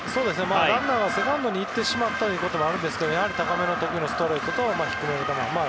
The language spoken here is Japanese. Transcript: ランナーがセカンドに行ってしまったこともあるんですけど得意の高めのストレートと低めの球。